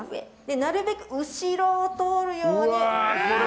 なるべく後ろを通るように。